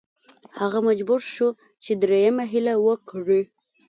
هغه مجبور شو چې دریمه هیله وکړي.